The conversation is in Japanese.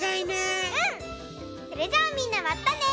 それじゃあみんなまたね！